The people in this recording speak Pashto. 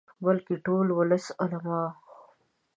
بلکې د ټول ولس، علماؤ.